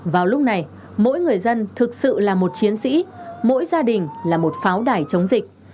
vào lúc này mỗi người dân thực sự là một chiến sĩ mỗi gia đình là một pháo đài chống dịch